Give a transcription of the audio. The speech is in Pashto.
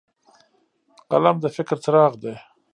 قلم د فکر څراغ دی